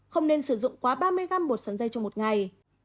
không nên sử dụng quá ba mươi gram bột sắn dây trong một ngày